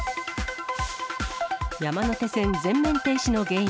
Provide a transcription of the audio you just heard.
山手線全面停止の原因。